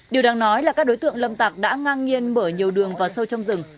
điều đáng nói là các đối tượng lâm tạc đã ngang nhiên mở nhiều đường vào sâu trong rừng